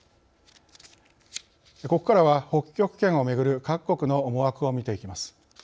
ここからは北極圏をめぐる各国の思惑を見ていきます。